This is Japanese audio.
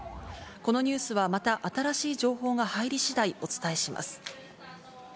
このニュースはまた、新しい情報が入りしだい、お伝えします。